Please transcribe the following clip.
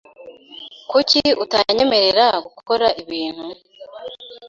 Kuki utanyemerera gukora ibintu?